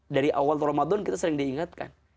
dari awal ramadan kita sering diingatkan